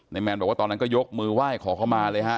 แมนบอกว่าตอนนั้นก็ยกมือไหว้ขอเข้ามาเลยฮะ